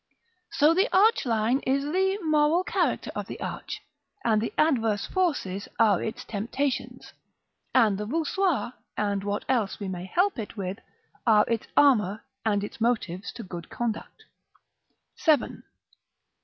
So the arch line is the moral character of the arch, and the adverse forces are its temptations; and the voussoirs, and what else we may help it with, are its armor and its motives to good conduct. § VII.